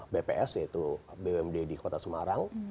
bps yaitu bumd di kota semarang